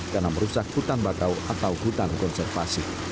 karena merusak hutan bakau atau hutan konservasi